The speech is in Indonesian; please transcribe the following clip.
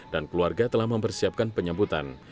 keluarga telah mempersiapkan penyambutan